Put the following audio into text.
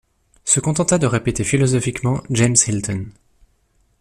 se contenta de répéter philosophiquement James Hilton.